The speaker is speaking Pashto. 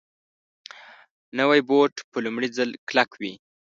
نوی بوټ په لومړي ځل کلک وي